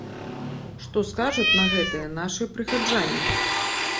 Што скажуць на гэта нашыя прыхаджане?